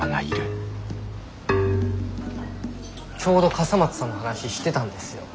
ちょうど笠松さんの話してたんですよ。